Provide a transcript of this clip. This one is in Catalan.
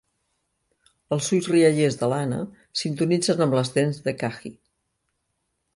Els ulls riallers de l'Anna sintonitzen amb les dents d'Ekahi.